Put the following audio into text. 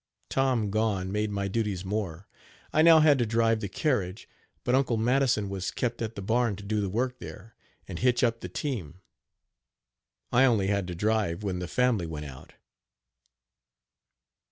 Tom gone made my duties more. I now had to drive the carriage, but Uncle Madison was kept at the barn to do the work there, and hitch up the team I only had to drive when the family went out.